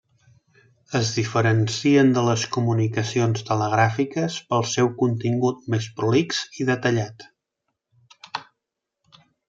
Es diferencien de les comunicacions telegràfiques pel seu contingut més prolix i detallat.